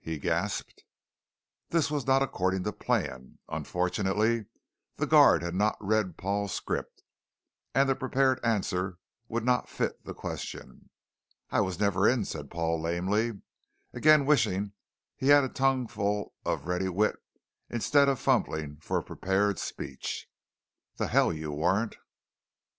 he gasped. This was not according to plan; unfortunately, the guard had not read Paul's script, and the prepared answer would not fit the question. "I was never in," said Paul lamely, again wishing he had a tongue full of ready wit instead of fumbling for a prepared speech. "The hell you weren't."